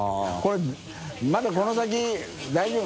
海まだこの先大丈夫？